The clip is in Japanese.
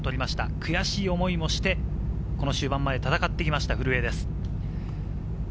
悔しい思いをして、この終盤まで戦ってきた古江です。